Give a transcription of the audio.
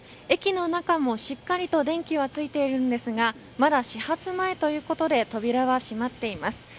駅の中もしっかりと電気はついていますがまだ始発前ということで扉は閉まっています。